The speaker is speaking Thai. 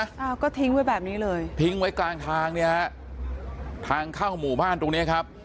อ่าก็ทิ้งไว้แบบนี้เลยทิ้งไว้กลางทางเนี่ยฮะทางเข้าหมู่บ้านตรงเนี้ยครับ